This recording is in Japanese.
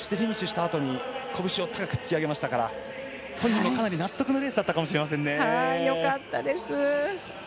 そしてフィニッシュしたあとにこぶしを高く突き上げましたから本人も、かなり納得のレースだったかもしれません。